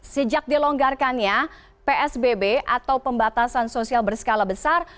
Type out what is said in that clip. sejak dilonggarkannya psbb atau pembatasan sosial berskala besar